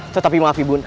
tetapi maaf ibu nak